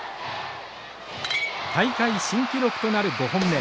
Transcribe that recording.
大会新記録となる５本目。